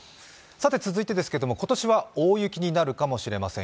続いてですが、今年は大雪になるかもしれません。